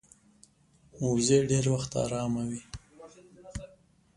وزې ډېر وخت آرامه وي